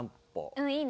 うんいいね。